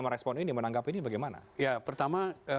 merespon ini menanggap ini bagaimana